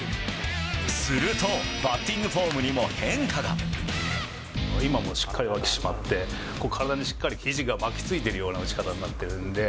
すると、今、もうしっかりわき締まって、体にしっかり、ひじが巻きついてるような打ち方になってるんで。